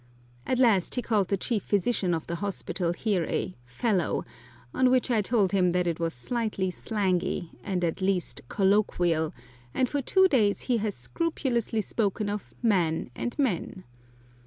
At last he called the Chief Physician of the hospital here a fellow, on which I told him that it was slightly slangy, and at least "colloquial," and for two days he has scrupulously spoken of man and men.